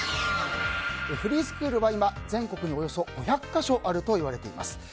フリースクールは今全国におよそ５００か所あるといわれています。